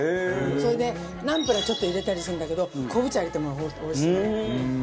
それでナンプラーちょっと入れたりするんだけどこんぶ茶入れてもおいしい。